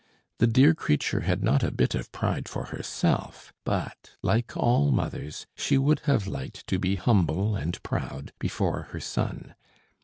The dear creature had not a bit of pride for herself; but, like all mothers, she would have liked to be humble and proud before her son.